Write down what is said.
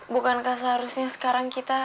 bukankah seharusnya sekarang kita